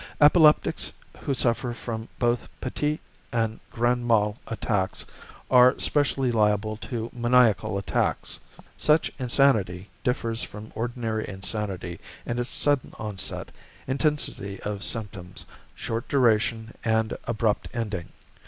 Epileptics who suffer from both petit and grand mal attacks are specially liable to maniacal attacks. Such insanity differs from ordinary insanity in its sudden onset, intensity of symptoms, short duration and abrupt ending.